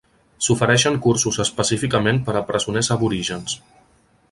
S'ofereixen cursos específicament per a presoners aborígens.